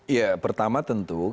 ya pertama tentu